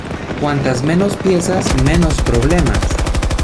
Cuantas menos piezas, menos problemas.